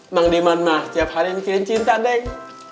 mang diman mah tiap hari mikirin cinta neng